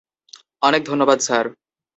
অনেক ধন্যবাদ, স্যার।